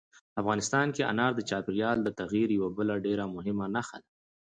افغانستان کې انار د چاپېریال د تغیر یوه بله ډېره مهمه نښه ده.